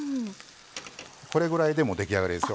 これぐらいでもう出来上がりですよ。